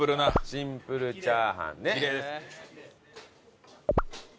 シンプルチャーハンね。